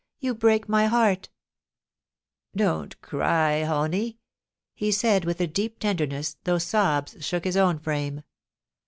You break my heart' ' Don't cry, Honie !' he said, with deep tenderness, thoi^h sobs shook his own frame.